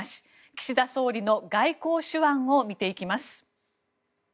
岸田総理の外交手腕を見ていきます。